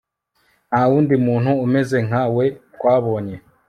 nta wundi muntu umeze nka we twabonye